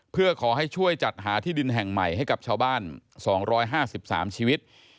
เพื่อขอให้ช่วยจัดหาที่ดินแห่งใหม่ให้กับชาวบ้าน๒๕๓ชีวิต